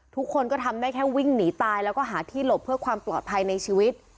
ทุกคนก็ทำได้แค่วิ่งหนีตายแล้วก็หาที่หลบเพื่อความปลอดภัยในชีวิต